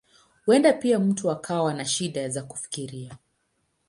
Huenda pia mtu akawa na shida za kufikiria.